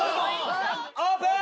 オープン！